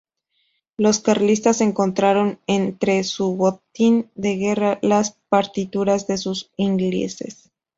Los carlistas encontraron en entre su botín de guerra las partituras de unos ingleses.